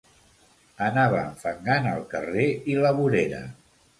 Anava enfangant el carrer i la vorera